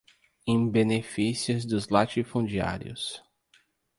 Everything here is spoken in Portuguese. em benefício dos latifundiários